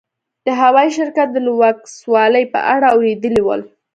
د هوايي شرکت د لوکسوالي په اړه اورېدلي ول.